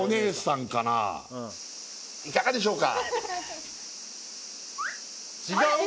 いかがでしょうか？